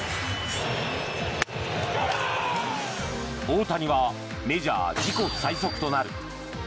大谷はメジャー自己最速となる１０１．４